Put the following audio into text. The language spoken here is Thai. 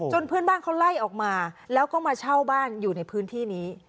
เพื่อนบ้านเขาไล่ออกมาแล้วก็มาเช่าบ้านอยู่ในพื้นที่นี้